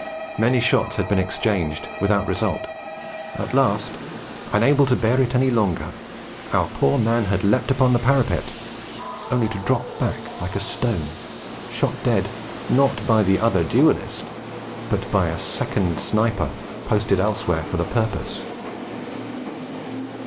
Many shots had been exchanged without result; at last, unable to bear it any longer, our poor man had leapt upon the parapet, only to drop back like a stone, shot dead not by the other duellist but by a second sniper posted elsewhere for the purpose.